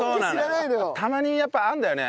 たまにやっぱあるんだよね